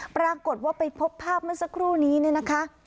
ปรากฏว่าไปพบภาพเมื่อสักครู่นี้เนี่ยนะคะ